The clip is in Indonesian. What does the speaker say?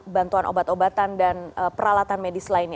bantuan obat obatan dan peralatan medis lainnya